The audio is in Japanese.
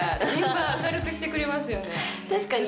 確かに。